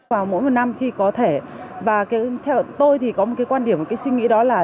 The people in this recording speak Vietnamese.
vào mỗi một năm khi có thể và theo tôi thì có một cái quan điểm cái suy nghĩ đó là